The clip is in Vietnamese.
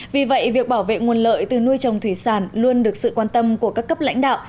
vì vậy việc bảo vệ nguồn lợi từ nuôi trồng thủy sản luôn được sự quan tâm của các cấp lãnh đạo